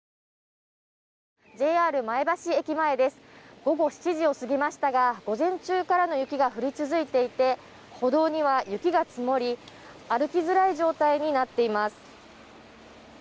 午後７時を過ぎましたが午前中からの雪が降り続いていて歩道には雪が積もり歩きづらい状態になっています。